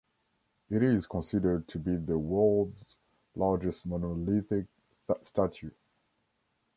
It is considered to be the world's largest monolithic statue.